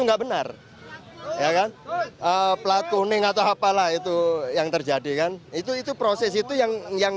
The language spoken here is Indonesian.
enggak benar ya kan plat kuning atau apalah itu yang terjadi kan itu itu proses itu yang yang